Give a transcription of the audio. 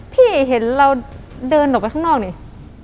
พี่เห็นเราเดินออกไปข้างนอกนี่